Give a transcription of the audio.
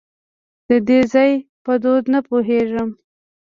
د دې ځای په دود نه پوهېږم .